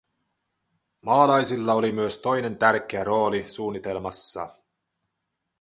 Maalaisilla oli myös toinen tärkeä rooli suunnitelmassa.